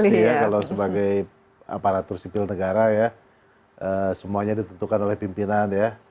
ya kalau sebagai aparatur sipil negara ya semuanya ditentukan oleh pimpinan ya